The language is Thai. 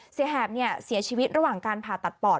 เสียแหบเนี่ยเสียชีวิตระหว่างการผ่าตัดปอด